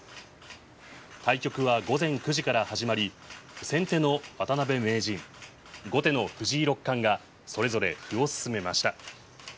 対局は午前９時から始まり先手の渡辺名人後手の藤井六冠がそれぞれ歩を進めました。